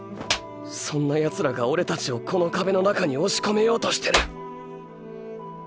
そんなヤツらがオレたちをこの壁の中に押し込めようとしてる！